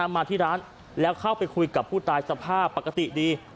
มาที่ร้านแล้วเข้าไปคุยกับผู้ตายสภาพปกติดี